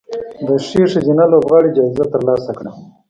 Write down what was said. د ښې ښځینه لوبغاړې جایزه ترلاسه کړه